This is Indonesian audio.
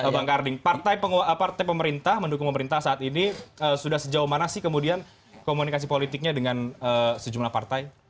bang karding partai pemerintah mendukung pemerintah saat ini sudah sejauh mana sih kemudian komunikasi politiknya dengan sejumlah partai